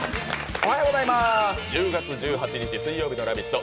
おはようございます、１０月１８日水曜日の「ラヴィット！」